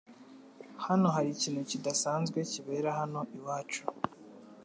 Hano hari ikintu kidasanzwe kibera hano iwacu